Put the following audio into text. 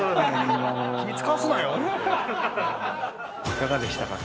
いかがでしたか？